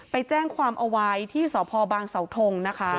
ไปแจ้งความเอาไว้ที่สพบางเสาทงนะคะ